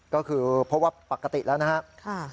ก็คือเพราะว่าปกติแล้วนะครับ